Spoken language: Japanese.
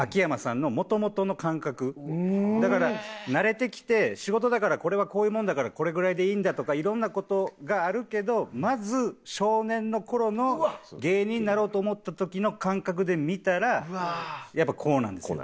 だから慣れてきて仕事だからこれはこういうものだからこれぐらいでいいんだとか色んな事があるけどまず少年の頃の芸人になろうと思った時の感覚で見たらやっぱこうなんですよ。